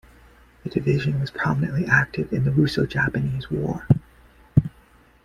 The division was prominently active in the Russo-Japanese War.